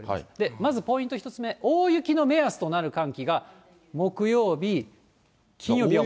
まずポイント１つ目、大雪の目安となる寒気が、木曜日、金曜日は。